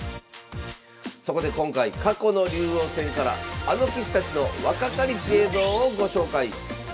そこで今回過去の竜王戦からあの棋士たちの若かりし映像をご紹介。